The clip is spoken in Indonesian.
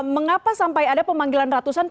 mengapa sampai ada pemanggilan ratusan